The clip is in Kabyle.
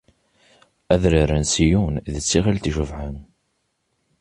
Adrar n Ṣiyun d tiɣilt icebḥen.